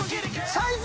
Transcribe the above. サイズ？